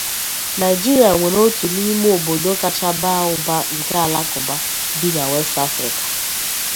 Nigeria nwere otu n’ime obodo kacha baa ụba nke Alakụba bi na West Africa.